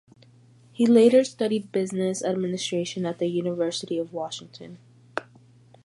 He later studied business administration at the University of Washington.